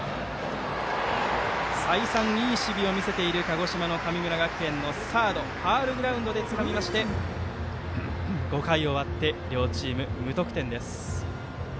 再三、いい守備を見せている鹿児島の神村学園のサード、ファウルグラウンドでつかみまして５回終わって両チーム無得点です。